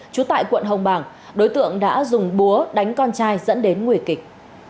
trú tại quận hồng bàng đối tượng đã dùng búa đánh con trai dẫn đến nguy kịch